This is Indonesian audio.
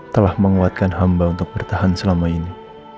telah menguatkan hamba untuk bertahan selama ini